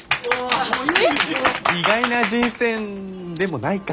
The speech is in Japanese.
意外な人選でもないか。